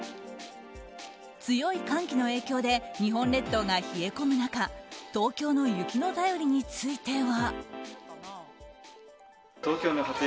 強い寒気の影響で日本列島が冷え込む中東京の雪の便りについては。